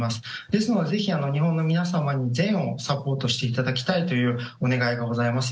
ですので是非、日本の皆様に善をサポートしていただきたいというお願いがございます。